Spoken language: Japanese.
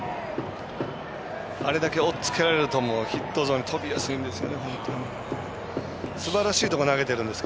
あれだけおっつけられるとヒットゾーンに飛びやすいんです。